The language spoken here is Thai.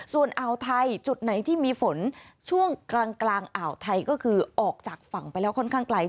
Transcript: ส่วนอ่าวไทยจุดไหนที่มีฝนช่วงกลางอ่าวไทยก็คือออกจากฝั่งไปแล้วค่อนข้างไกล